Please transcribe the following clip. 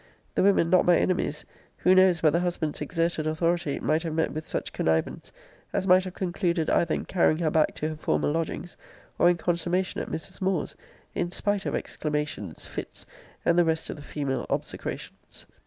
The women not my enemies, who knows but the husband's exerted authority might have met with such connivance, as might have concluded either in carrying her back to her former lodgings, or in consummation at Mrs. Moore's, in spite of exclamations, fits, and the rest of the female obsecrations?